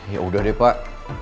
yaudah deh pak